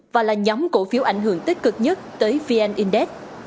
và là nhóm cổ phiếu ảnh hưởng tích cực nhất tới vn index